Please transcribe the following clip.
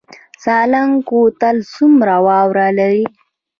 سالنګ کوتل څومره واوره لري؟